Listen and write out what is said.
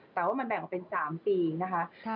แต่ว่ามันแบ่งออกเป็น๓ปีนะคะ